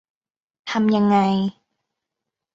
ทำยังไง